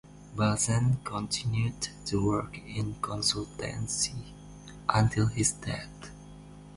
Balchen continued to work in consultancy until his death.